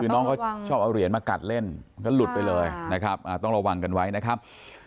คือน้องเขาชอบเอาเหรียญมากัดเล่นก็หลุดไปเลยนะครับต้องระวังกันไว้นะครับ